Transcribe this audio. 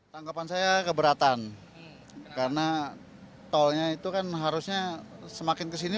tanggapan saya keberatan karena tolnya itu kan harusnya semakin kesini